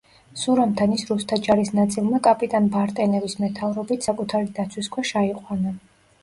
სურამთან ის რუსთა ჯარის ნაწილმა კაპიტან ბარტენევის მეთაურობით საკუთარი დაცვის ქვეშ აიყვანა.